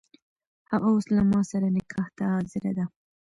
هغه اوس له ماسره نکاح ته حاضره ده.